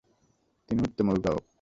তিনি উত্তম অভিভাবক।